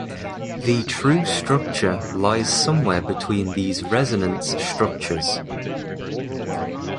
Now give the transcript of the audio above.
The true structure lies somewhere between these resonance structures.